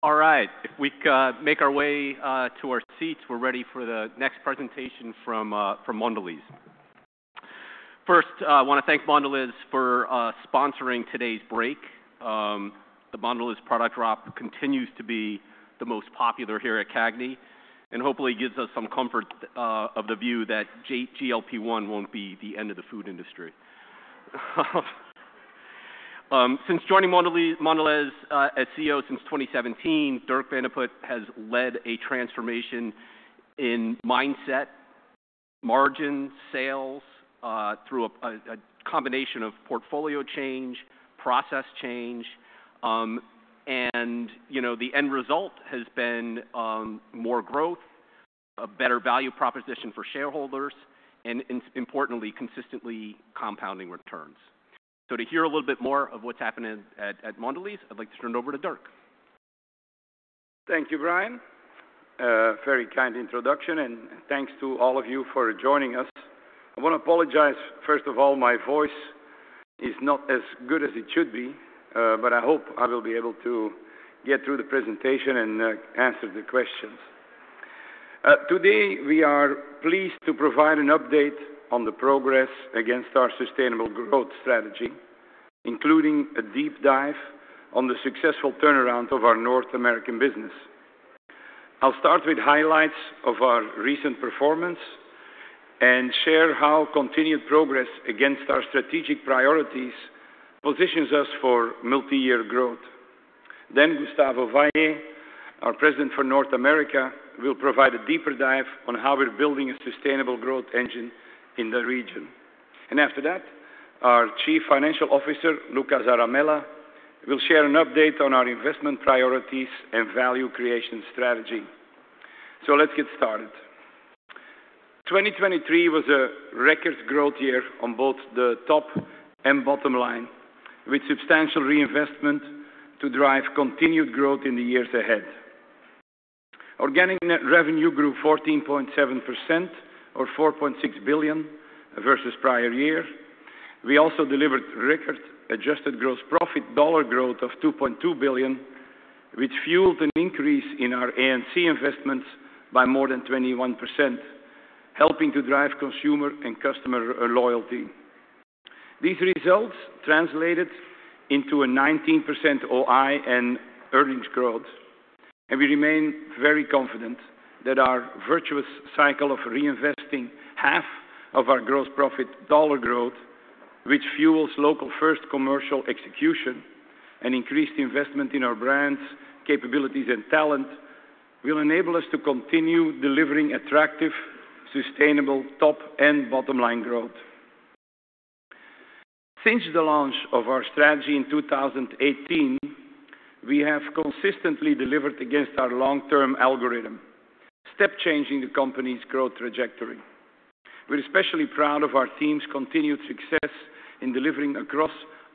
All right, if we make our way to our seats, we're ready for the next presentation from Mondelēz. First, I wanna thank Mondelēz for sponsoring today's break. The Mondelēz product drop continues to be the most popular here at CAGNY, and hopefully gives us some comfort of the view that GLP-1 won't be the end of the food industry. Since joining Mondelēz as CEO since 2017, Dirk Van de Put has led a transformation in mindset, margin, sales through a combination of portfolio change, process change, and, you know, the end result has been more growth, a better value proposition for shareholders and, importantly, consistently compounding returns. So to hear a little bit more of what's happening at Mondelēz, I'd like to turn it over to Dirk. Thank you, Brian. Very kind introduction, and thanks to all of you for joining us. I wanna apologize, first of all, my voice is not as good as it should be, but I hope I will be able to get through the presentation and answer the questions. Today, we are pleased to provide an update on the progress against our sustainable growth strategy, including a deep dive on the successful turnaround of our North American business. I'll start with highlights of our recent performance and share how continued progress against our strategic priorities positions us for multi-year growth. Then Gustavo Valle, our President for North America, will provide a deeper dive on how we're building a sustainable growth engine in the region. And after that, our Chief Financial Officer, Luca Zaramella, will share an update on our investment priorities and value creation strategy. So let's get started. 2023 was a record growth year on both the top and bottom line, with substantial reinvestment to drive continued growth in the years ahead. Organic net revenue grew 14.7%, or $4.6 billion, versus prior year. We also delivered record adjusted gross profit dollar growth of $2.2 billion, which fueled an increase in our A&C investments by more than 21%, helping to drive consumer and customer loyalty. These results translated into a 19% OI and earnings growth, and we remain very confident that our virtuous cycle of reinvesting half of our gross profit dollar growth, which fuels local-first commercial execution and increased investment in our brands, capabilities, and talent, will enable us to continue delivering attractive, sustainable top and bottom line growth. Since the launch of our strategy in 2018, we have consistently delivered against our long-term algorithm, step changing the company's growth trajectory. We're especially proud of our team's continued success in delivering across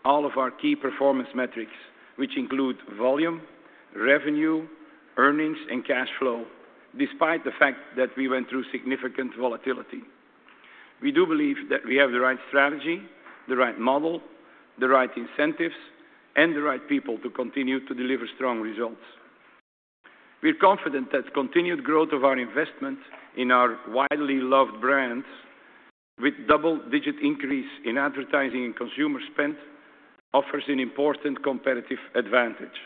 all of our key performance metrics, which include volume, revenue, earnings, and cash flow, despite the fact that we went through significant volatility. We do believe that we have the right strategy, the right model, the right incentives, and the right people to continue to deliver strong results. We're confident that continued growth of our investment in our widely loved brands, with double-digit increase in advertising and consumer spend, offers an important competitive advantage.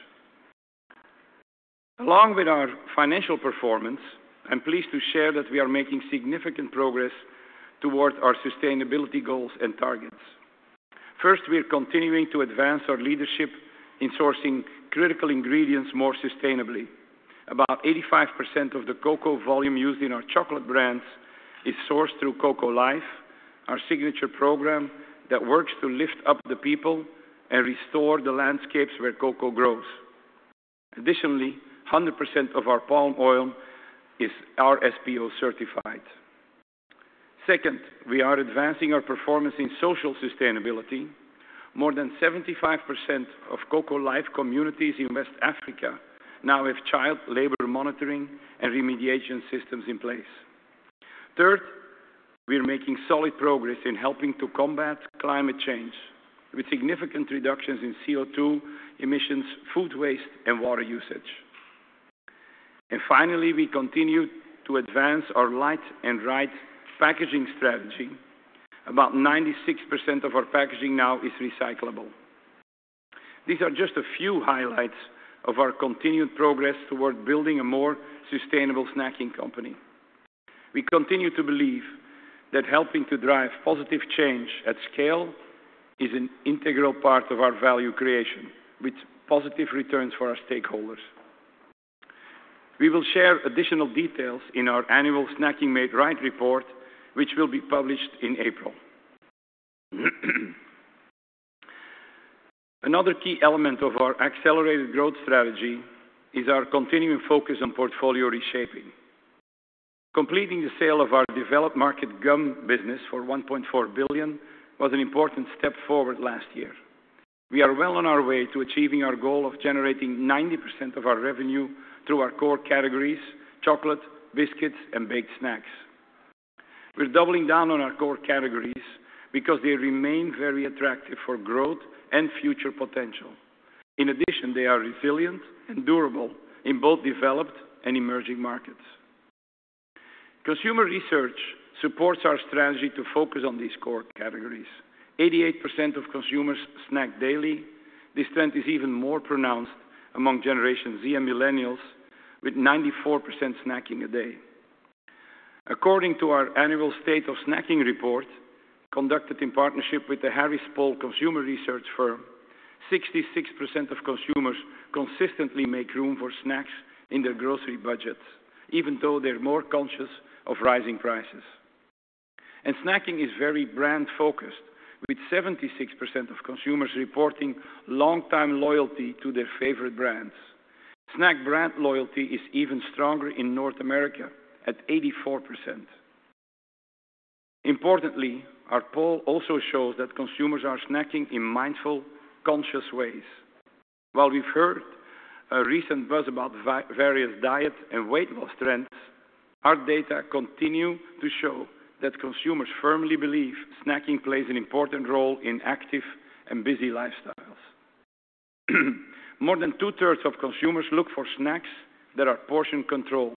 Along with our financial performance, I'm pleased to share that we are making significant progress towards our sustainability goals and targets. First, we are continuing to advance our leadership in sourcing critical ingredients more sustainably. About 85% of the cocoa volume used in our chocolate brands is sourced through Cocoa Life, our signature program that works to lift up the people and restore the landscapes where cocoa grows. Additionally, 100% of our palm oil is RSPO certified. Second, we are advancing our performance in social sustainability. More than 75% of Cocoa Life communities in West Africa now have child labor monitoring and remediation systems in place. Third, we are making solid progress in helping to combat climate change, with significant reductions in CO2 emissions, food waste, and water usage. And finally, we continue to advance our light and right packaging strategy. About 96% of our packaging now is recyclable. These are just a few highlights of our continued progress toward building a more sustainable snacking company. We continue to believe that helping to drive positive change at scale is an integral part of our value creation, with positive returns for our stakeholders. We will share additional details in our annual Snacking Made Right report, which will be published in April. Another key element of our accelerated growth strategy is our continuing focus on portfolio reshaping. Completing the sale of our developed market gum business for $1.4 billion was an important step forward last year. We are well on our way to achieving our goal of generating 90% of our revenue through our core categories, chocolate, biscuits, and baked snacks.... We're doubling down on our core categories because they remain very attractive for growth and future potential. In addition, they are resilient and durable in both developed and emerging markets. Consumer research supports our strategy to focus on these core categories. 88% of consumers snack daily. This trend is even more pronounced among Generation Z and Millennials, with 94% snacking a day. According to our annual State of Snacking report, conducted in partnership with The Harris Poll consumer research firm, 66% of consumers consistently make room for snacks in their grocery budgets, even though they're more conscious of rising prices. Snacking is very brand-focused, with 76% of consumers reporting long-time loyalty to their favorite brands. Snack brand loyalty is even stronger in North America at 84%. Importantly, our poll also shows that consumers are snacking in mindful, conscious ways. While we've heard a recent buzz about various diet and weight loss trends, our data continue to show that consumers firmly believe snacking plays an important role in active and busy lifestyles. More than two-thirds of consumers look for snacks that are portion-controlled,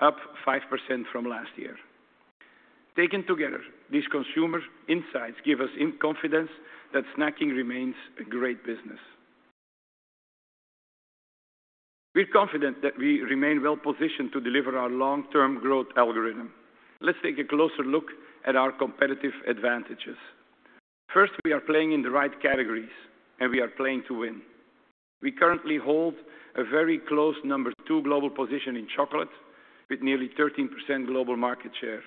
up 5% from last year. Taken together, these consumer insights give us confidence that snacking remains a great business. We're confident that we remain well-positioned to deliver our long-term growth algorithm. Let's take a closer look at our competitive advantages. First, we are playing in the right categories, and we are playing to win. We currently hold a very close number 2 global position in chocolate, with nearly 13% global market share,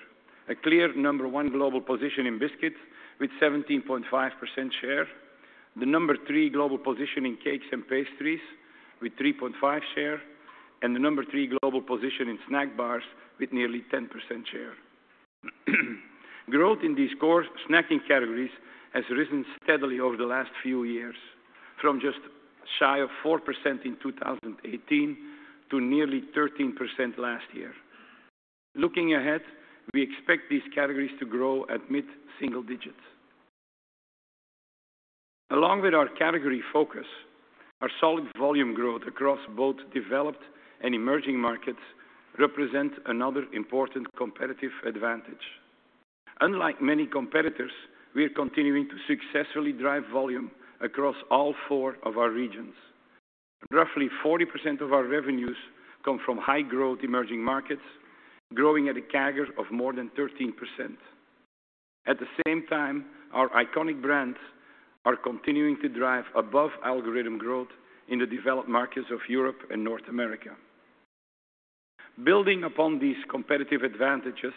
a clear number 1 global position in biscuits with 17.5% share, the number 3 global position in cakes and pastries with 3.5% share, and the number 3 global position in snack bars with nearly 10% share. Growth in these core snacking categories has risen steadily over the last few years, from just shy of 4% in 2018 to nearly 13% last year. Looking ahead, we expect these categories to grow at mid-single digits. Along with our category focus, our solid volume growth across both developed and emerging markets represent another important competitive advantage. Unlike many competitors, we are continuing to successfully drive volume across all four of our regions. Roughly 40% of our revenues come from high-growth emerging markets, growing at a CAGR of more than 13%. At the same time, our iconic brands are continuing to drive above algorithm growth in the developed markets of Europe and North America. Building upon these competitive advantages,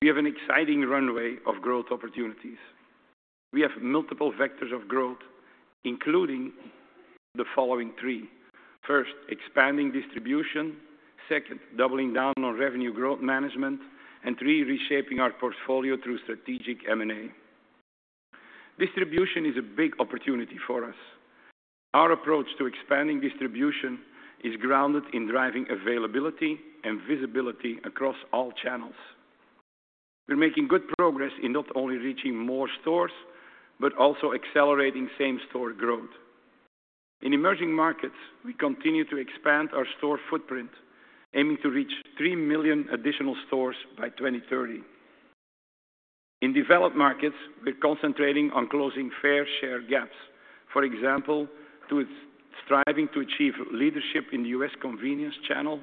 we have an exciting runway of growth opportunities. We have multiple vectors of growth, including the following three: first, expanding distribution; second, doubling down on revenue growth management; and three, reshaping our portfolio through strategic M&A. Distribution is a big opportunity for us. Our approach to expanding distribution is grounded in driving availability and visibility across all channels. We're making good progress in not only reaching more stores, but also accelerating same-store growth. In emerging markets, we continue to expand our store footprint, aiming to reach 3 million additional stores by 2030. In developed markets, we're concentrating on closing fair share gaps, for example, to striving to achieve leadership in the U.S. convenience channel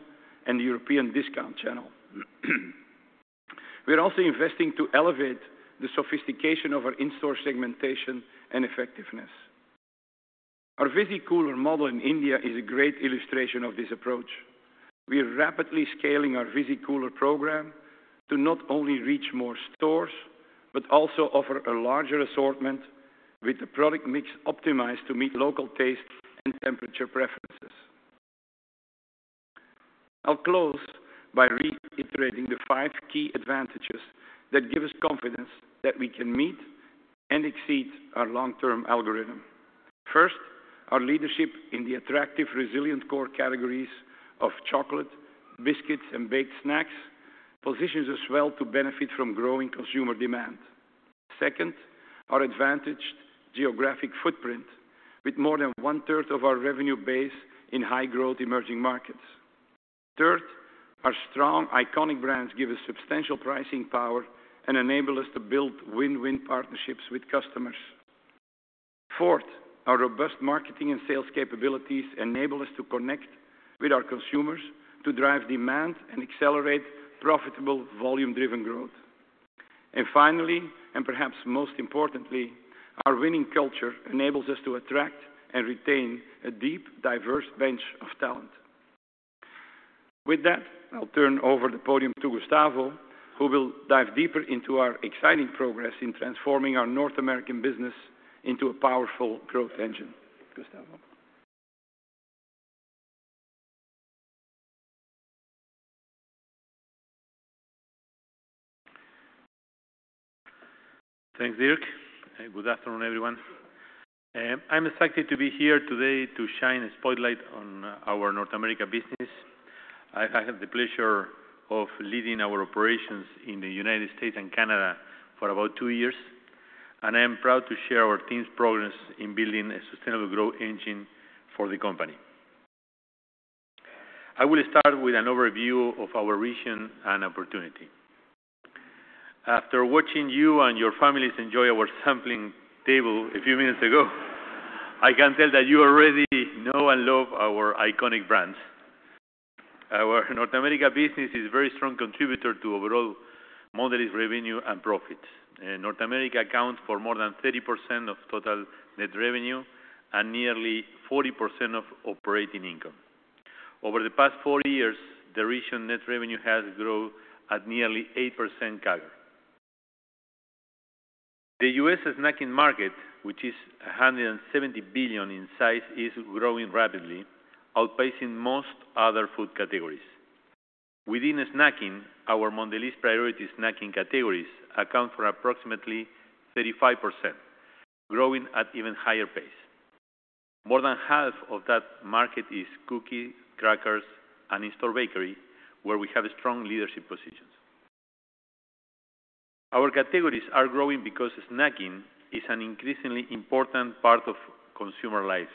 and the European discount channel. We are also investing to elevate the sophistication of our in-store segmentation and effectiveness. Our Visicooler model in India is a great illustration of this approach. We are rapidly scaling our Visicooler program to not only reach more stores, but also offer a larger assortment with the product mix optimized to meet local taste and temperature preferences. I'll close by reiterating the five key advantages that give us confidence that we can meet and exceed our long-term algorithm. First, our leadership in the attractive, resilient core categories of chocolate, biscuits, and baked snacks, positions us well to benefit from growing consumer demand. Second, our advantaged geographic footprint with more than one-third of our revenue base in high-growth emerging markets. Third, our strong, iconic brands give us substantial pricing power and enable us to build win-win partnerships with customers. Fourth, our robust marketing and sales capabilities enable us to connect with our consumers to drive demand and accelerate profitable, volume-driven growth. Finally, and perhaps most importantly, our winning culture enables us to attract and retain a deep, diverse bench of talent. With that, I'll turn over the podium to Gustavo, who will dive deeper into our exciting progress in transforming our North American business into a powerful growth engine. Gustavo? Thanks, Dirk, and good afternoon, everyone. I'm excited to be here today to shine a spotlight on our North America business. I have the pleasure of leading our operations in the United States and Canada for about two years, and I am proud to share our team's progress in building a sustainable growth engine for the company. I will start with an overview of our region and opportunity. After watching you and your families enjoy our sampling table a few minutes ago, I can tell that you already know and love our iconic brands. Our North America business is a very strong contributor to overall Mondelēz revenue and profit. North America accounts for more than 30% of total net revenue and nearly 40% of operating income. Over the past four years, the region net revenue has grown at nearly 8% CAGR. The US snacking market, which is $170 billion in size, is growing rapidly, outpacing most other food categories. Within snacking, our Mondelēz priority snacking categories account for approximately 35%, growing at even higher pace. More than half of that market is cookies, crackers, and in-store bakery, where we have strong leadership positions. Our categories are growing because snacking is an increasingly important part of consumer lives.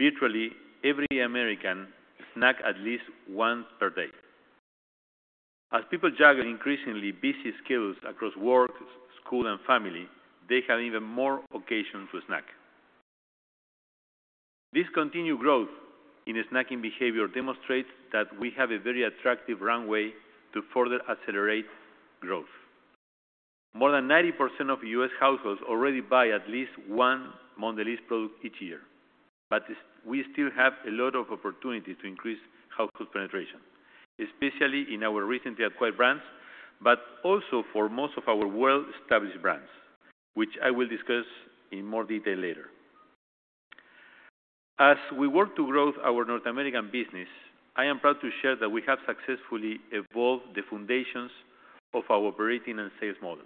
Virtually every American snacks at least once per day. As people juggle increasingly busy schedules across work, school, and family, they have even more occasion to snack. This continued growth in the snacking behavior demonstrates that we have a very attractive runway to further accelerate growth. More than 90% of U.S. households already buy at least one Mondelēz product each year, but we still have a lot of opportunity to increase household penetration, especially in our recently acquired brands, but also for most of our well-established brands, which I will discuss in more detail later. As we work to grow our North American business, I am proud to share that we have successfully evolved the foundations of our operating and sales model.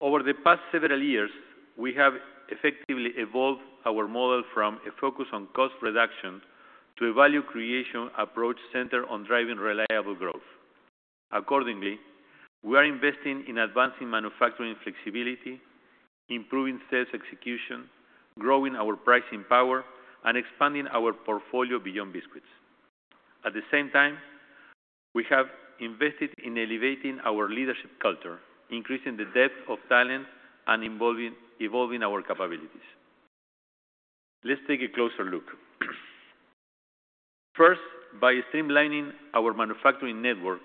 Over the past several years, we have effectively evolved our model from a focus on cost reduction to a value creation approach centered on driving reliable growth. Accordingly, we are investing in advancing manufacturing flexibility, improving sales execution, growing our pricing power, and expanding our portfolio beyond biscuits. At the same time, we have invested in elevating our leadership culture, increasing the depth of talent, and evolving our capabilities. Let's take a closer look. First, by streamlining our manufacturing network,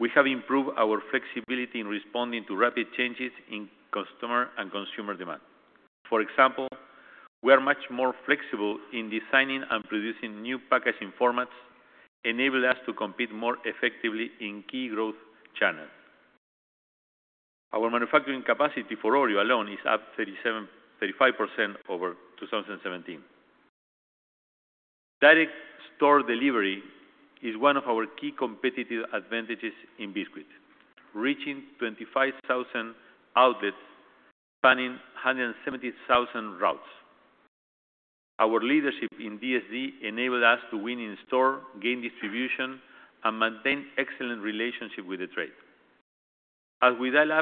we have improved our flexibility in responding to rapid changes in customer and consumer demand. For example, we are much more flexible in designing and producing new packaging formats, enabling us to compete more effectively in key growth channels. Our manufacturing capacity for Oreo alone is up 37--35% over 2017. Direct store delivery is one of our key competitive advantages in biscuit, reaching 25,000 outlets, spanning 170,000 routes. Our leadership in DSD enabled us to win in store, gain distribution, and maintain excellent relationship with the trade. As we dial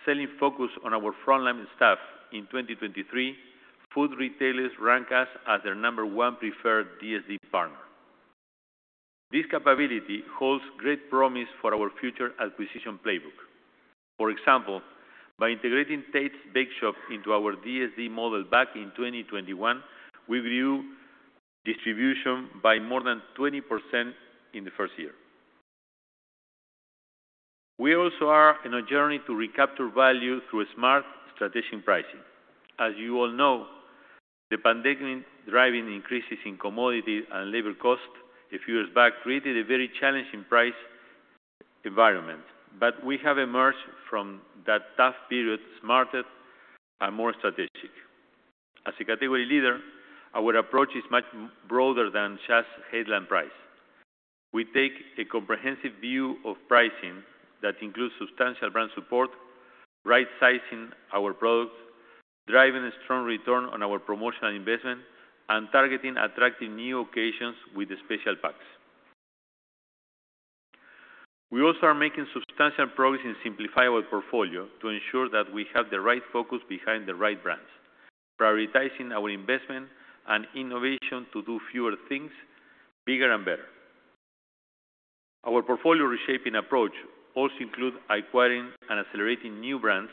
up, selling focus on our frontline staff in 2023, food retailers rank us as their number one preferred DSD partner. This capability holds great promise for our future acquisition playbook. For example, by integrating Tate’s Bake Shop into our DSD model back in 2021, we grew distribution by more than 20% in the first year. We also are in a journey to recapture value through a smart strategic pricing. As you all know, the pandemic driving increases in commodity and labor costs a few years back created a very challenging price environment, but we have emerged from that tough period, smarter and more strategic. As a category leader, our approach is much broader than just headline price. We take a comprehensive view of pricing that includes substantial brand support, right-sizing our products, driving a strong return on our promotional investment, and targeting attractive new occasions with special packs. We also are making substantial progress in simplifying our portfolio to ensure that we have the right focus behind the right brands, prioritizing our investment and innovation to do fewer things bigger and better. Our portfolio reshaping approach also include acquiring and accelerating new brands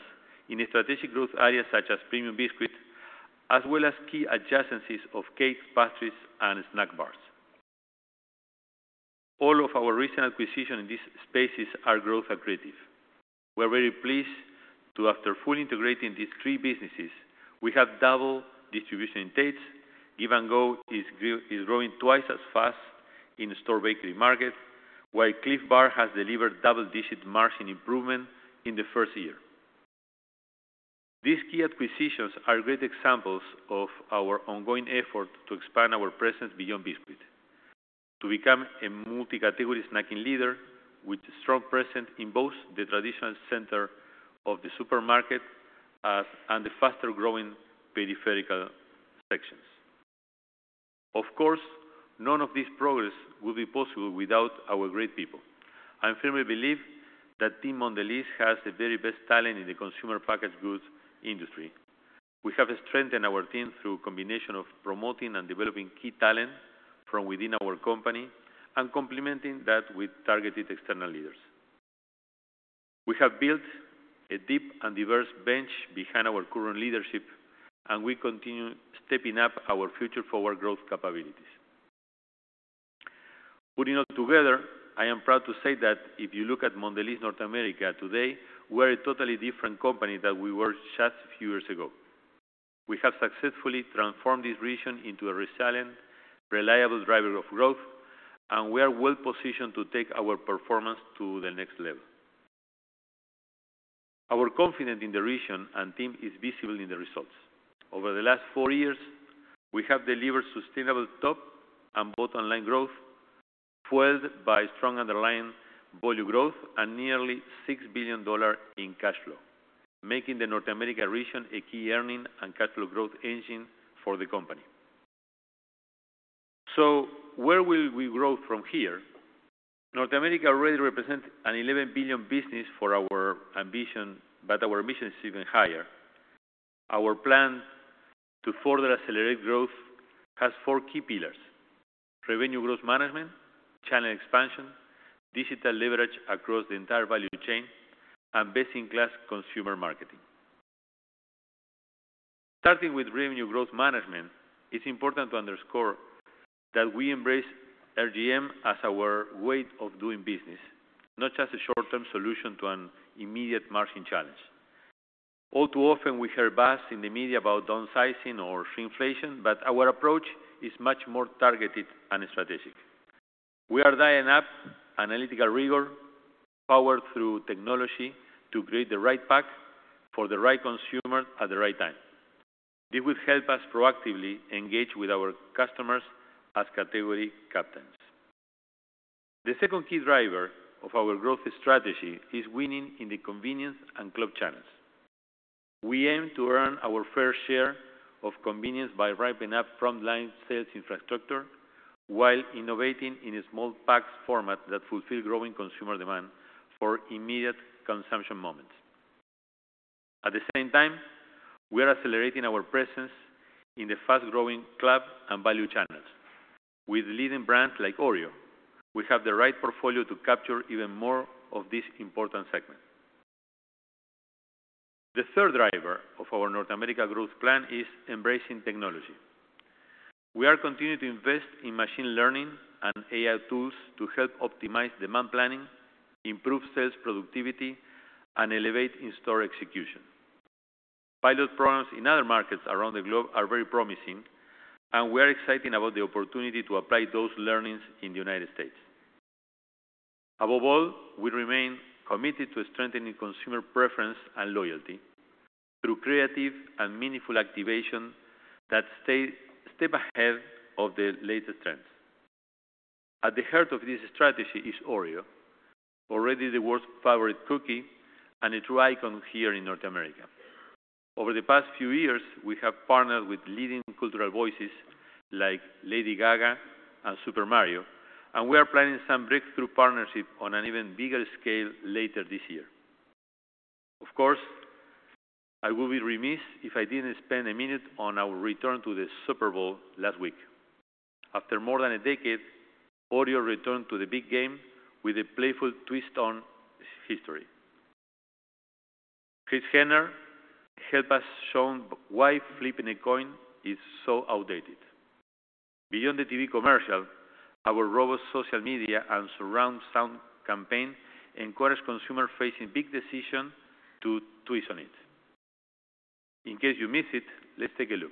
in a strategic growth areas such as premium biscuits, as well as key adjacencies of cakes, pastries, and snack bars. All of our recent acquisitions in these spaces are growth accretive. We're very pleased to, after fully integrating these three businesses, we have double distribution in Tate’s. Give & Go is growing twice as fast in-store bakery market, while Clif Bar has delivered double-digit margin improvement in the first year. These key acquisitions are great examples of our ongoing effort to expand our presence beyond biscuit, to become a multi-category snacking leader with a strong presence in both the traditional center of the supermarket, and the faster-growing peripheral sections. Of course, none of this progress would be possible without our great people. I firmly believe that Team Mondelēz has the very best talent in the consumer packaged goods industry. We have strengthened our team through a combination of promoting and developing key talent from within our company and complementing that with targeted external leaders. We have built a deep and diverse bench behind our current leadership, and we continue stepping up our future forward growth capabilities. Putting it all together, I am proud to say that if you look at Mondelēz North America today, we're a totally different company than we were just a few years ago. We have successfully transformed this region into a resilient, reliable driver of growth, and we are well positioned to take our performance to the next level. Our confidence in the region and team is visible in the results. Over the last four years, we have delivered sustainable top and bottom-line growth, fueled by strong underlying volume growth and nearly $6 billion in cash flow, making the North America region a key earning and cash flow growth engine for the company. So where will we grow from here? North America already represents an $11 billion business for our ambition, but our ambition is even higher. Our plan to further accelerate growth has four key pillars: revenue growth management, channel expansion, digital leverage across the entire value chain, and best-in-class consumer marketing. Starting with revenue growth management, it's important to underscore that we embrace RGM as our way of doing business, not just a short-term solution to an immediate margin challenge. All too often, we hear buzz in the media about downsizing or shrinkflation, but our approach is much more targeted and strategic. We are dialing up analytical rigor, powered through technology, to create the right pack for the right consumer at the right time. This will help us proactively engage with our customers as category captains. The second key driver of our growth strategy is winning in the convenience and club channels. We aim to earn our fair share of convenience by ramping up frontline sales infrastructure while innovating in a small packs format that fulfill growing consumer demand for immediate consumption moments. At the same time, we are accelerating our presence in the fast-growing club and value channels. With leading brands like Oreo, we have the right portfolio to capture even more of this important segment. The third driver of our North America growth plan is embracing technology. We are continuing to invest in machine learning and AI tools to help optimize demand planning, improve sales productivity, and elevate in-store execution. Pilot programs in other markets around the globe are very promising, and we are excited about the opportunity to apply those learnings in the United States. Above all, we remain committed to strengthening consumer preference and loyalty through creative and meaningful activation that stay a step ahead of the latest trends. At the heart of this strategy is Oreo, already the world's favorite cookie and a true icon here in North America. Over the past few years, we have partnered with leading cultural voices like Lady Gaga and Super Mario, and we are planning some breakthrough partnerships on an even bigger scale later this year. Of course, I would be remiss if I didn't spend a minute on our return to the Super Bowl last week. After more than a decade, Oreo returned to the big game with a playful twist on history. Kris Jenner helped us show why flipping a coin is so outdated. Beyond the TV commercial, our robust social media and surround sound campaign encouraged consumers facing big decisions to twist on it. In case you missed it, let's take a look.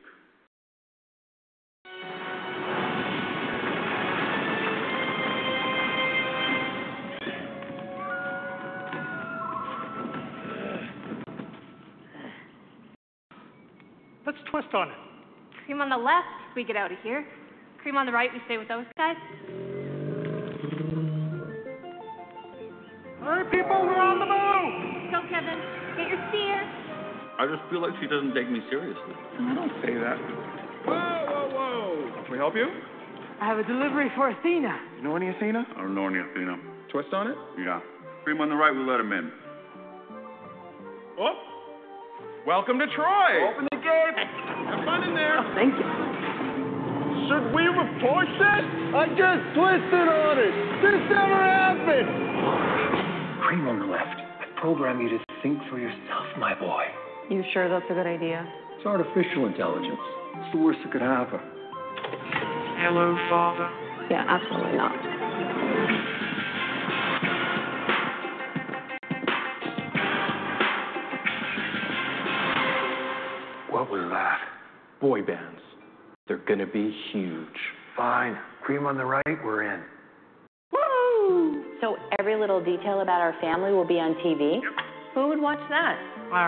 You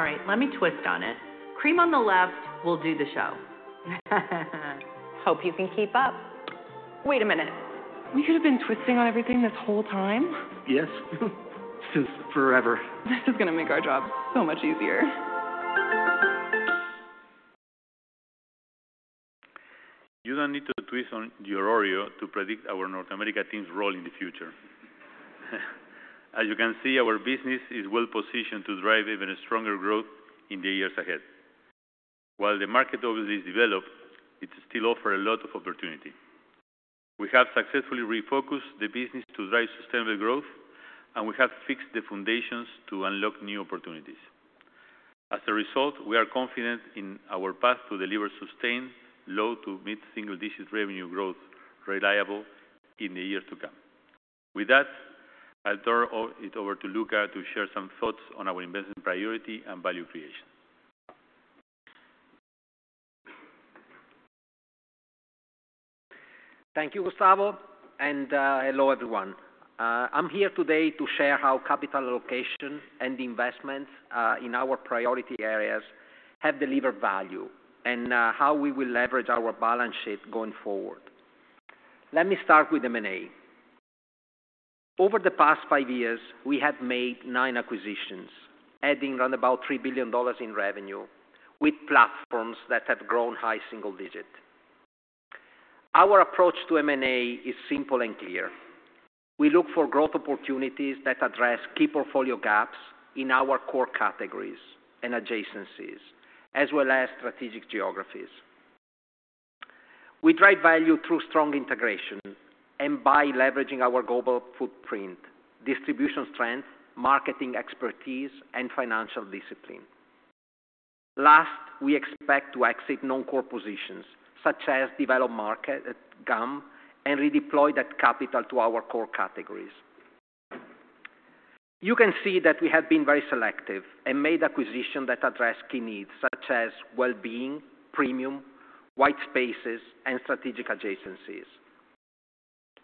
don't need to twist on your Oreo to predict our North America team's role in the future. As you can see, our business is well positioned to drive even a stronger growth in the years ahead. While the market obviously is developed, it still offer a lot of opportunity. We have successfully refocused the business to drive sustainable growth, and we have fixed the foundations to unlock new opportunities. As a result, we are confident in our path to deliver sustained low- to mid-single-digit revenue growth, reliable in the years to come. With that, I'll turn it over to Luca to share some thoughts on our investment priority and value creation. Thank you, Gustavo, and hello, everyone. I'm here today to share how capital allocation and investments in our priority areas have delivered value, and how we will leverage our balance sheet going forward. Let me start with M&A. Over the past five years, we have made nine acquisitions, adding around about $3 billion in revenue, with platforms that have grown high single digit. Our approach to M&A is simple and clear. We look for growth opportunities that address key portfolio gaps in our core categories and adjacencies, as well as strategic geographies. We drive value through strong integration and by leveraging our global footprint, distribution strength, marketing expertise, and financial discipline. Last, we expect to exit non-core positions, such as developed market gum, and redeploy that capital to our core categories. You can see that we have been very selective and made acquisition that address key needs, such as well-being, premium, white spaces, and strategic adjacencies.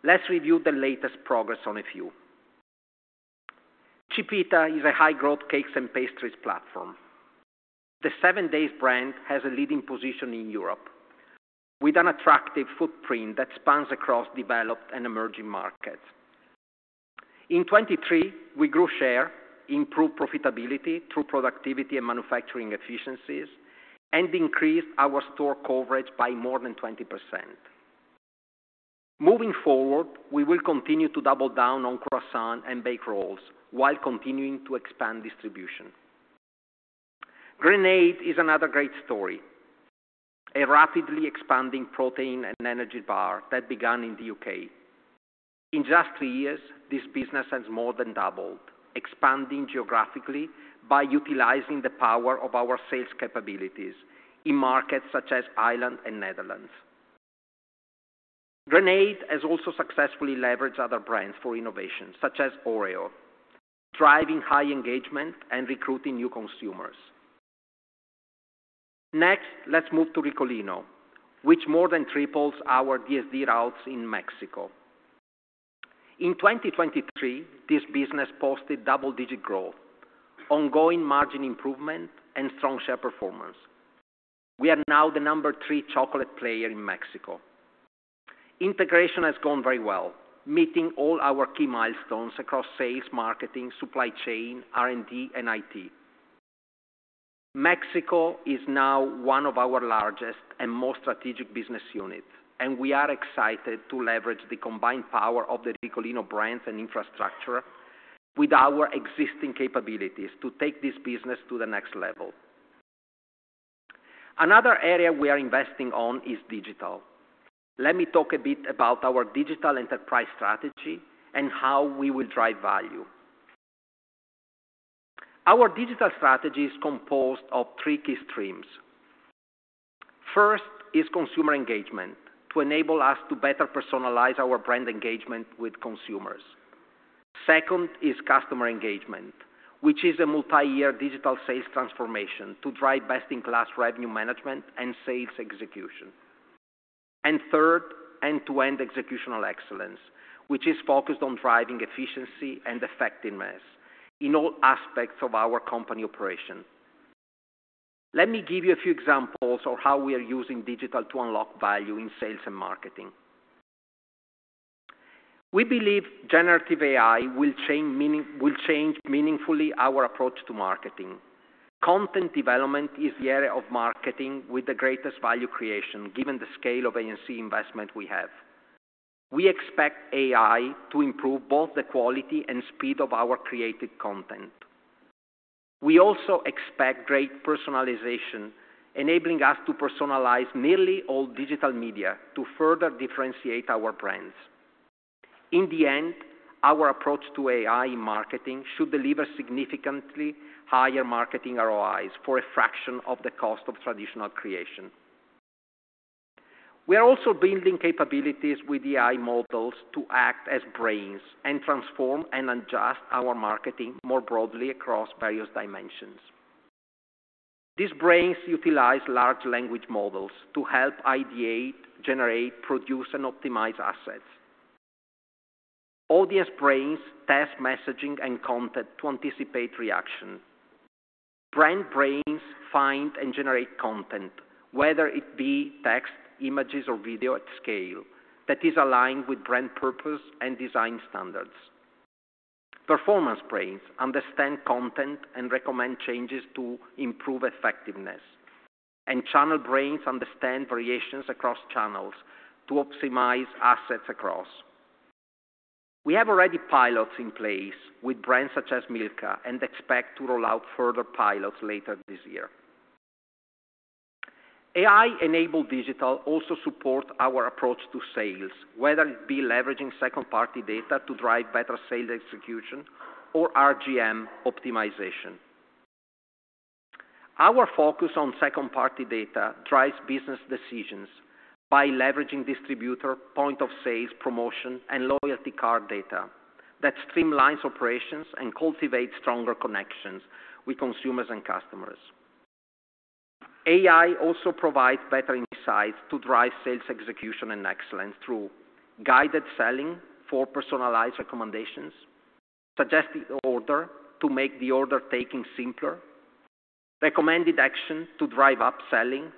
Let's review the latest progress on a few. Chipita is a high-growth cakes and pastries platform. The 7Days brand has a leading position in Europe, with an attractive footprint that spans across developed and emerging markets. In 2023, we grew share, improved profitability through productivity and manufacturing efficiencies, and increased our store coverage by more than 20%. Moving forward, we will continue to double down on croissant and baked rolls while continuing to expand distribution. Grenade is another great story, a rapidly expanding protein and energy bar that began in the U.K. In just two years, this business has more than doubled, expanding geographically by utilizing the power of our sales capabilities in markets such as Ireland and Netherlands. Grenade has also successfully leveraged other brands for innovation, such as Oreo, driving high engagement and recruiting new consumers. Next, let's move to Ricolino, which more than triples our DSD routes in Mexico. In 2023, this business posted double-digit growth, ongoing margin improvement, and strong share performance. We are now the number three chocolate player in Mexico. Integration has gone very well, meeting all our key milestones across sales, marketing, supply chain, R&D, and IT. Mexico is now one of our largest and most strategic business units, and we are excited to leverage the combined power of the Ricolino brands and infrastructure with our existing capabilities to take this business to the next level. Another area we are investing on is digital. Let me talk a bit about our digital enterprise strategy and how we will drive value. Our digital strategy is composed of three key streams. First is consumer engagement, to enable us to better personalize our brand engagement with consumers. Second is customer engagement, which is a multi-year digital sales transformation to drive best-in-class revenue management and sales execution. And third, end-to-end executional excellence, which is focused on driving efficiency and effectiveness in all aspects of our company operation. Let me give you a few examples of how we are using digital to unlock value in sales and marketing. We believe generative AI will change meaningfully our approach to marketing. Content development is the area of marketing with the greatest value creation, given the scale of A&C investment we have. We expect AI to improve both the quality and speed of our created content. We also expect great personalization, enabling us to personalize nearly all digital media to further differentiate our brands. In the end, our approach to AI in marketing should deliver significantly higher marketing ROIs for a fraction of the cost of traditional creation. We are also building capabilities with AI models to act as brains and transform and adjust our marketing more broadly across various dimensions. These brains utilize large language models to help ideate, generate, produce, and optimize assets. Audience brains test messaging and content to anticipate reaction. Brand brains find and generate content, whether it be text, images, or video at scale, that is aligned with brand purpose and design standards. Performance brains understand content and recommend changes to improve effectiveness, and channel brains understand variations across channels to optimize assets across. We have already pilots in place with brands such as Milka, and expect to roll out further pilots later this year. AI-enabled digital also support our approach to sales, whether it be leveraging second-party data to drive better sales execution or RGM optimization. Our focus on second-party data drives business decisions by leveraging distributor, point of sales, promotion, and loyalty card data that streamlines operations and cultivates stronger connections with consumers and customers. AI also provides better insights to drive sales execution and excellence through guided selling for personalized recommendations, suggested order to make the order taking simpler, recommended action to drive upselling,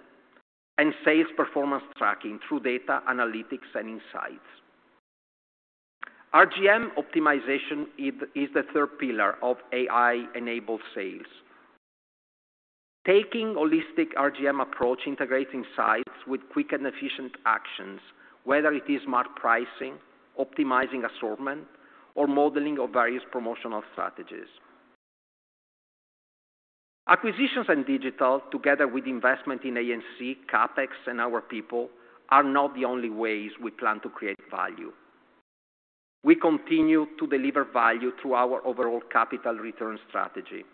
and sales performance tracking through data analytics and insights. RGM optimization is the third pillar of AI-enabled sales. Taking holistic RGM approach, integrating sites with quick and efficient actions, whether it is smart pricing, optimizing assortment, or modeling of various promotional strategies. Acquisitions and digital, together with investment in A&C, CapEx, and our people, are not the only ways we plan to create value. We continue to deliver value through our overall capital return strategy.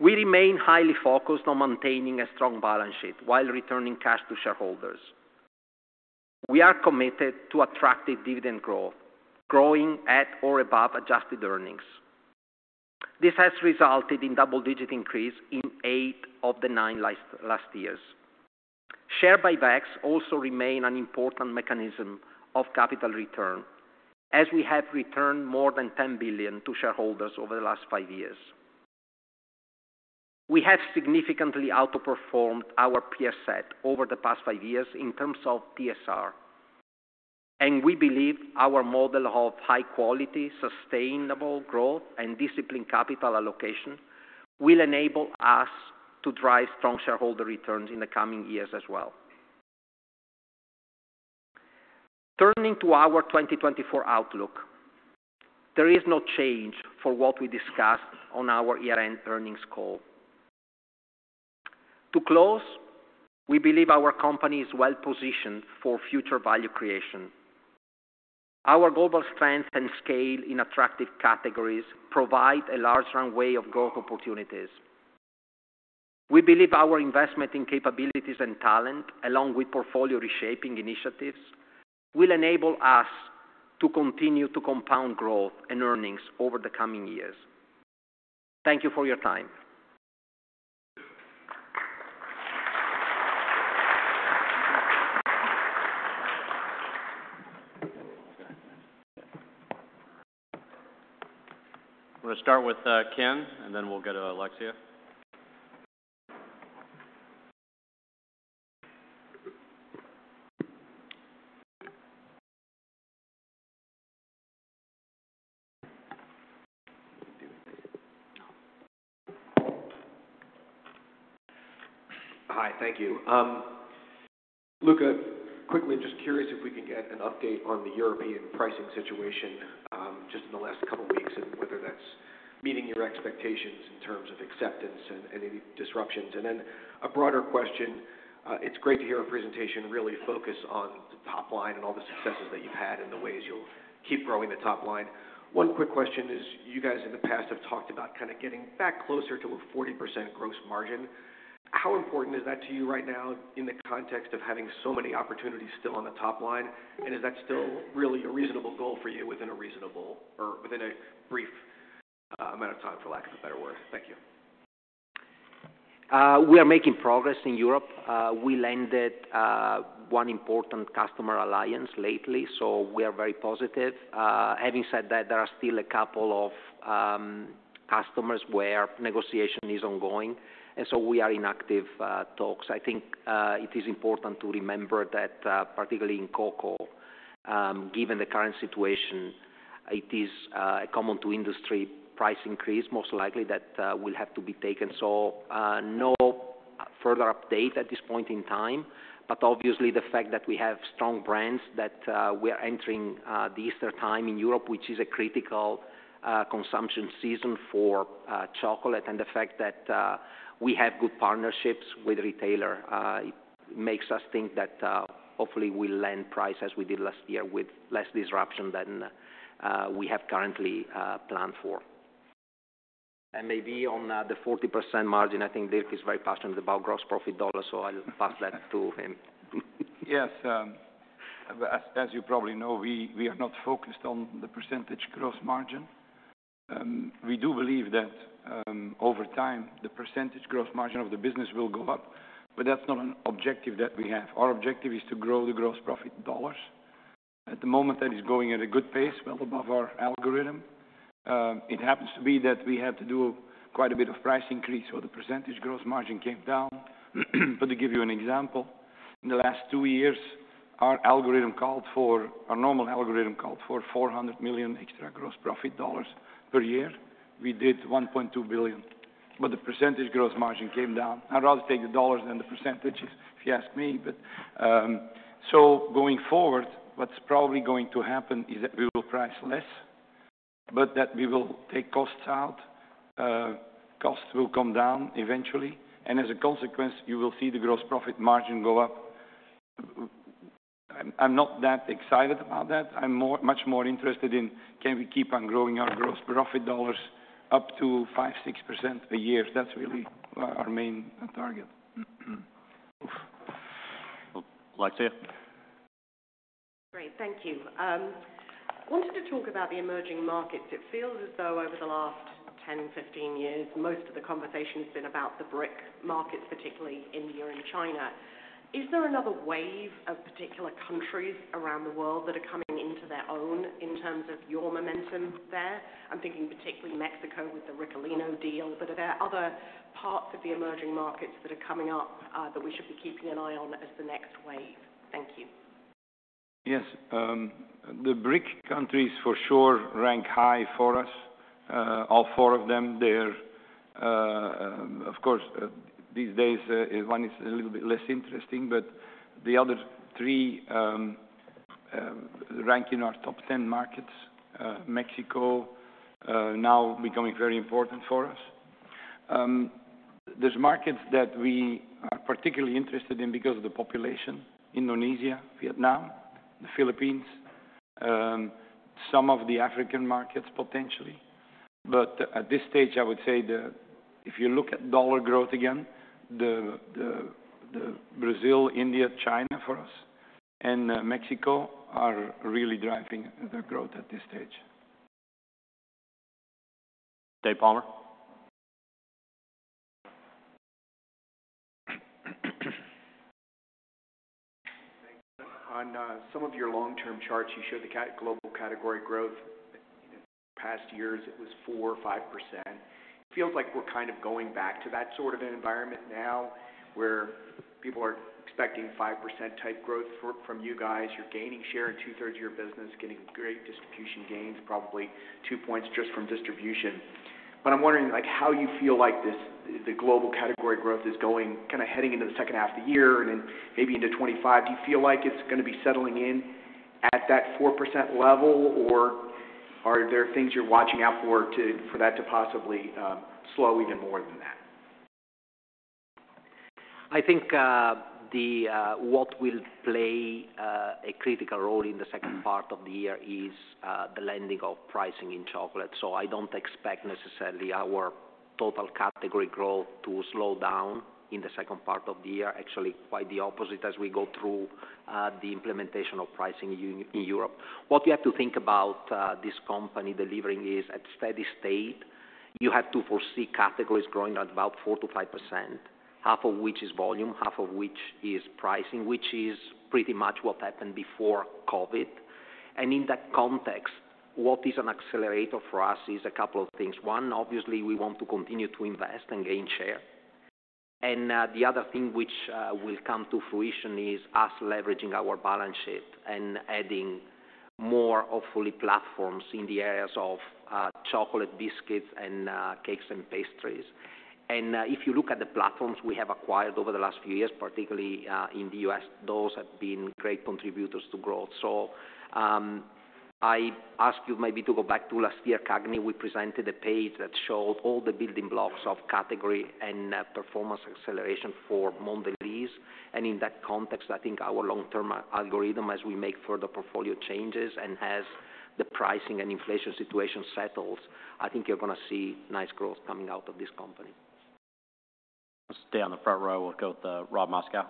We remain highly focused on maintaining a strong balance sheet while returning cash to shareholders. We are committed to attractive dividend growth, growing at or above adjusted earnings. This has resulted in double-digit increase in 8 of the last 9 years. Share buybacks also remain an important mechanism of capital return, as we have returned more than $10 billion to shareholders over the past 5 years. We have significantly outperformed our peer set over the past 5 years in terms of TSR, and we believe our model of high quality, sustainable growth and disciplined capital allocation will enable us to drive strong shareholder returns in the coming years as well. Turning to our 2024 outlook, there is no change for what we discussed on our year-end earnings call. To close, we believe our company is well positioned for future value creation. Our global strength and scale in attractive categories provide a large runway of growth opportunities. We believe our investment in capabilities and talent, along with portfolio reshaping initiatives, will enable us to continue to compound growth and earnings over the coming years. Thank you for your time. We're going to start with, Ken, and then we'll go to Alexia. Hi, thank you. Luca, quickly, just curious if we can get an update on the European pricing situation, just in the last couple of weeks, and whether that's meeting your expectations in terms of acceptance and any disruptions. And then a broader question, it's great to hear a presentation really focus on the top line and all the successes that you've had and the ways you'll keep growing the top line. One quick question is, you guys, in the past, have talked about kind of getting back closer to a 40% gross margin. How important is that to you right now in the context of having so many opportunities still on the top line? And is that still really a reasonable goal for you within a reasonable or within a brief, amount of time, for lack of a better word? Thank you. We are making progress in Europe. We landed one important customer alliance lately, so we are very positive. Having said that, there are still a couple of customers where negotiation is ongoing, and so we are in active talks. I think it is important to remember that particularly in Cocoa, given the current situation, it is common to industry price increase, most likely, that will have to be taken. So, no further update at this point in time, but obviously, the fact that we have strong brands, that we are entering the Easter time in Europe, which is a critical consumption season for chocolate, and the fact that we have good partnerships with retailer makes us think that hopefully we land price as we did last year, with less disruption than we have currently planned for. And maybe on the 40% margin, I think Dirk is very passionate about gross profit dollars, so I'll pass that to him. Yes, As you probably know, we are not focused on the percentage gross margin. We do believe that, over time, the percentage gross margin of the business will go up, but that's not an objective that we have. Our objective is to grow the gross profit dollars. At the moment, that is going at a good pace, well above our algorithm. It happens to be that we had to do quite a bit of price increase, so the percentage gross margin came down. But to give you an example, in the last two years, our normal algorithm called for $400 million extra gross profit dollars per year. We did $1.2 billion, but the percentage gross margin came down. I'd rather take the dollars than the percentages, if you ask me. But, so going forward, what's probably going to happen is that we will price less, but that we will take costs out. Costs will come down eventually, and as a consequence, you will see the gross profit margin go up. I'm not that excited about that. I'm much more interested in, can we keep on growing our gross profit dollars up to 5%-6% a year? That's really our main target. Alexia? Great, thank you. Wanted to talk about the emerging markets. It feels as though over the last 10, 15 years, most of the conversation has been about the BRIC markets, particularly India and China. Is there another wave of particular countries around the world that are coming into their own in terms of your momentum there? I'm thinking particularly Mexico with the Ricolino deal, but are there other parts of the emerging markets that are coming up, that we should be keeping an eye on as the next wave? Thank you. Yes, the BRIC countries, for sure, rank high for us, all four of them. They're... Of course, these days, one is a little bit less interesting, but the other three, rank in our top ten markets. Mexico, now becoming very important for us. There's markets that we are particularly interested in because of the population: Indonesia, Vietnam, the Philippines, some of the African markets, potentially. But at this stage, I would say the, if you look at dollar growth again, the Brazil, India, China, for us, and, Mexico are really driving the growth at this stage. Dave Palmer? On some of your long-term charts, you showed the global category growth. In past years, it was 4% or 5%. It feels like we're kind of going back to that sort of an environment now, where people are expecting 5% type growth for, from you guys. You're gaining share in two-thirds of your business, getting great distribution gains, probably 2 points just from distribution. But I'm wondering, like, how you feel like this, the global category growth is going, kind of, heading into the second half of the year and then maybe into 2025. Do you feel like it's going to be settling in at that 4% level, or are there things you're watching out for to, for that to possibly slow even more than that? I think what will play a critical role in the second part of the year is the landing of pricing in chocolate. So I don't expect necessarily our total category growth to slow down in the second part of the year. Actually, quite the opposite, as we go through the implementation of pricing in Europe. What you have to think about this company delivering is, at steady state, you have to foresee categories growing at about 4%-5%, half of which is volume, half of which is pricing, which is pretty much what happened before COVID. And in that context, what is an accelerator for us is a couple of things. One, obviously, we want to continue to invest and gain share. The other thing which will come to fruition is us leveraging our balance sheet and adding more of fully platforms in the areas of chocolate, biscuits, and cakes and pastries. If you look at the platforms we have acquired over the last few years, particularly in the U.S., those have been great contributors to growth. So, I ask you maybe to go back to last year, CAGNY, we presented a page that showed all the building blocks of category and performance acceleration for Mondelēz. And in that context, I think our long-term algorithm, as we make further portfolio changes and as the pricing and inflation situation settles, I think you're going to see nice growth coming out of this company. Stay on the front row. We'll go with Robert Moskow.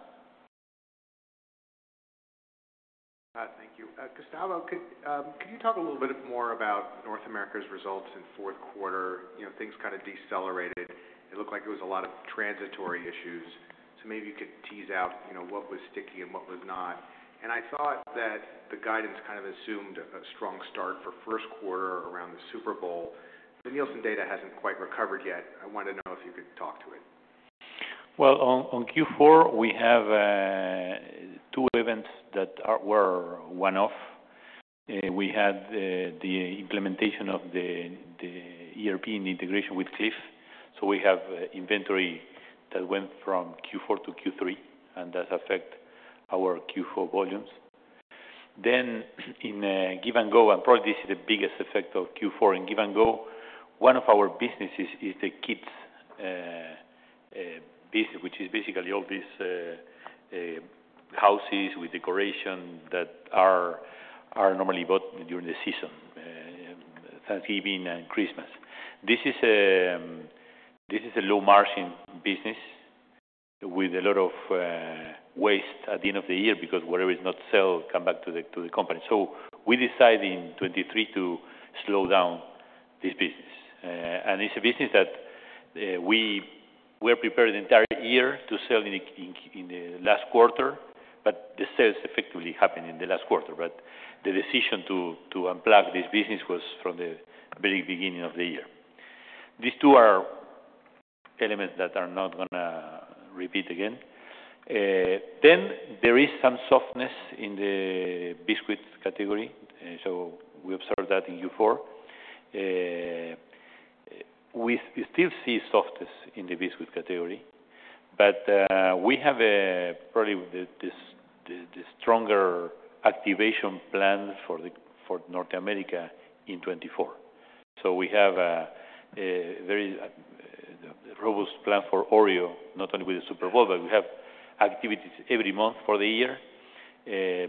Thank you. Gustavo, could you talk a little bit more about North America's results in fourth quarter? You know, things kind of decelerated. It looked like it was a lot of transitory issues. So maybe you could tease out, you know, what was sticky and what was not. And I thought that the guidance kind of assumed a strong start for first quarter around the Super Bowl. The Nielsen data hasn't quite recovered yet. I wanted to know if you could talk to it. Well, on Q4, we have two events that were one-off. We had the implementation of the ERP and the integration with Clif. So we have inventory that went from Q4 to Q3, and that affect our Q4 volumes. Then, in Give & Go, and probably this is the biggest effect of Q4 in Give & Go, one of our businesses is the kids business, which is basically all these houses with decoration that are normally bought during the season: Thanksgiving and Christmas. This is a low margin business with a lot of waste at the end of the year because whatever is not sold come back to the company. So we decide in 2023 to slow down this business. And it's a business that we were prepared the entire year to sell in the last quarter, but the sales effectively happened in the last quarter. But the decision to unplug this business was from the very beginning of the year. These two are elements that are not gonna repeat again. Then there is some softness in the biscuit category, so we observed that in Q4. We still see softness in the biscuit category, but we have probably the stronger activation plan for North America in 2024. So we have a very robust plan for Oreo, not only with the Super Bowl, but we have activities every month for the year.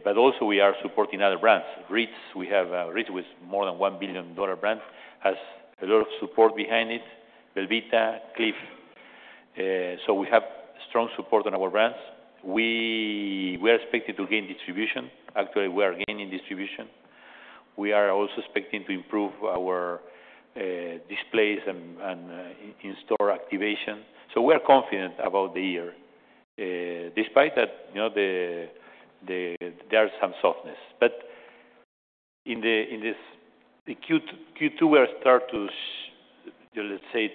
But also we are supporting other brands. Ritz, we have Ritz with more than $1 billion brand, has a lot of support behind it. belVita, Clif. So we have strong support on our brands. We are expected to gain distribution. Actually, we are gaining distribution. We are also expecting to improve our displays and in-store activation. So we're confident about the year, despite that, you know, there are some softness. But in this Q2, we'll start to, let's say,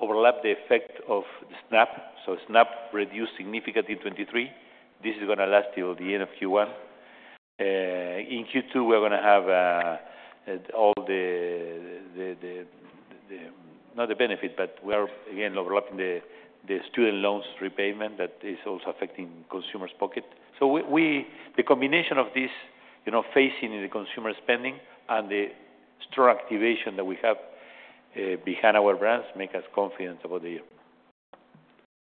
overlap the effect of the SNAP. So SNAP reduced significantly in 2023. This is gonna last till the end of Q1. In Q2, we're gonna have all the... Not the benefit, but we are again overlapping the student loans repayment that is also affecting consumers' pocket. So we, the combination of this, you know, facing in the consumer spending and the store activation that we have behind our brands, make us confident about the year.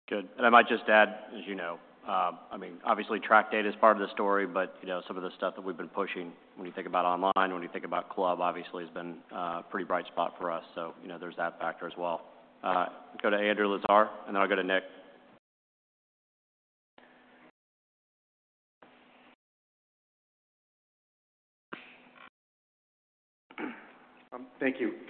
Good. And I might just add, as you know, I mean, obviously, track data is part of the story, but, you know, some of the stuff that we've been pushing, when you think about online, when you think about club, obviously has been a pretty bright spot for us. So, you know, there's that factor as well. Go to Andrew Lazar, and then I'll go to Nick. Thank you.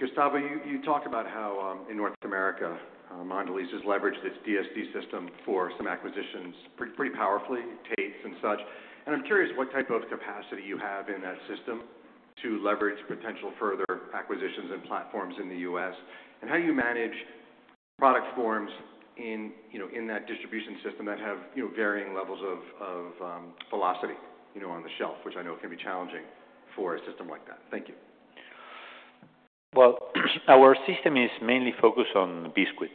Gustavo, you, you talked about how, in North America, Mondelēz has leveraged its DSD system for some acquisitions, pretty, pretty powerfully, Tate's and such. I'm curious what type of capacity you have in that system to leverage potential further acquisitions and platforms in the U.S., and how you manage product forms in, you know, in that distribution system that have, you know, varying levels of, of, velocity, you know, on the shelf, which I know can be challenging for a system like that. Thank you. Well, our system is mainly focused on biscuit.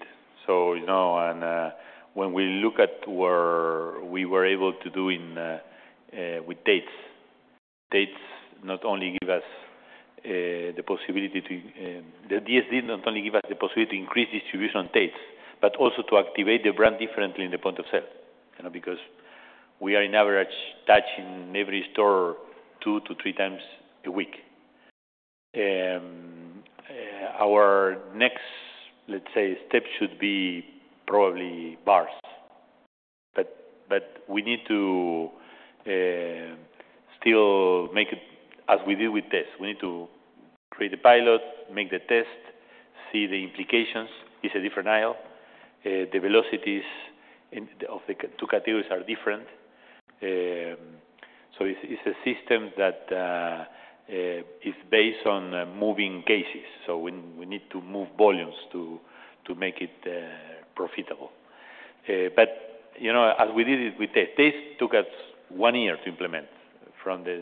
So, you know, and, when we look at where we were able to do in, with Tate's, Tate's not only give us, the possibility to... The DSD not only give us the possibility to increase distribution on Tate's, but also to activate the brand differently in the point of sale. You know, because we are on average touching every store 2-3 times a week. Our next, let's say, step should be probably bars. But, but we need to, still make it as we did with this. We need to create a pilot, make the test, see the implications. It's a different aisle. The velocities in, of the two categories are different. So it's, it's a system that, is based on, moving cases. So we need to move volumes to make it profitable. But, you know, as we did it with Tate. Tate took us one year to implement from the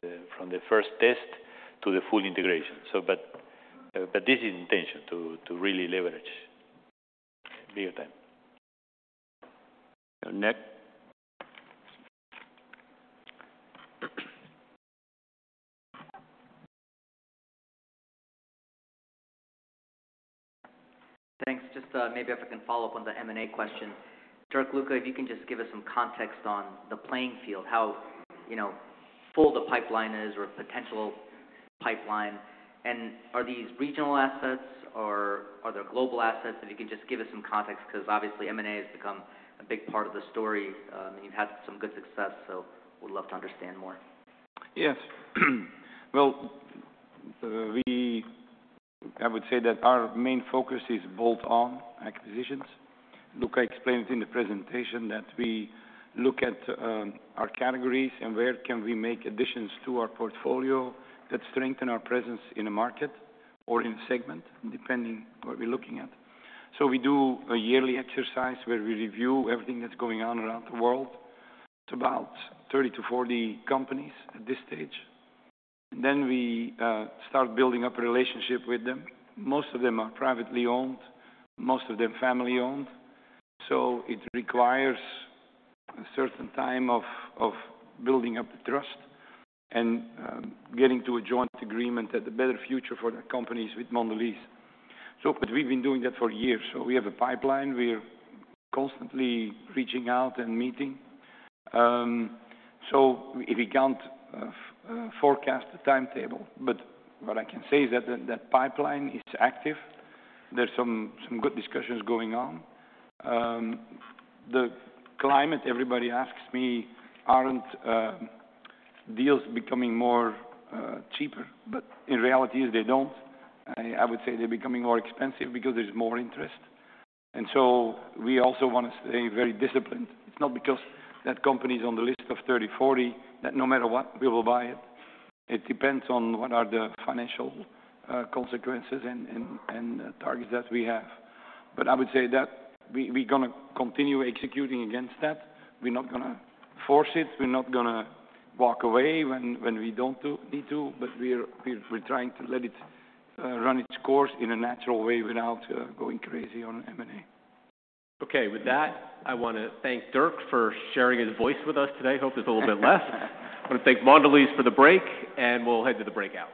first test to the full integration. So but, but this is intention to really leverage big time. Nick? Thanks. Just, maybe if I can follow up on the M&A question. Dirk, Luca, if you can just give us some context on the playing field, how, you know, full the pipeline is or potential pipeline, and are these regional assets or are they global assets? If you can just give us some context, 'cause obviously M&A has become a big part of the story. You've had some good success, so would love to understand more. Yes. Well, I would say that our main focus is bolt-on acquisitions. Luca explained it in the presentation that we look at our categories and where can we make additions to our portfolio that strengthen our presence in a market or in a segment, depending what we're looking at. So we do a yearly exercise where we review everything that's going on around the world. It's about 30-40 companies at this stage. Then we start building up a relationship with them. Most of them are privately owned, most of them family-owned, so it requires a certain time of building up the trust and getting to a joint agreement that a better future for the companies with Mondelēz. So but we've been doing that for years, so we have a pipeline. We are constantly reaching out and meeting. So we can't forecast the timetable, but what I can say is that the pipeline is active. There's some good discussions going on. The climate, everybody asks me, "Aren't deals becoming more cheaper?" But in reality, they don't. I would say they're becoming more expensive because there's more interest, and so we also want to stay very disciplined. It's not because that company is on the list of 30, 40, that no matter what, we will buy it. It depends on what are the financial consequences and targets that we have. But I would say that we're gonna continue executing against that. We're not gonna force it, we're not gonna walk away when we don't need to, but we're trying to let it run its course in a natural way without going crazy on M&A. Okay. With that, I wanna thank Dirk for sharing his voice with us today. Hope it's a little bit less. I want to thank Mondelēz for the break, and we'll head to the breakout.